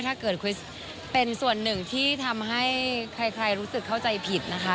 ถ้าเกิดคริสเป็นส่วนหนึ่งที่ทำให้ใครรู้สึกเข้าใจผิดนะคะ